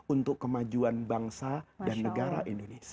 untuk kemajuan bangsa dan negara indonesia